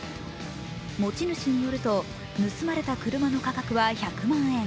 持ち主によると、盗まれた車の価格は１００万円。